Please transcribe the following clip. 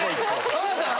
浜田さん！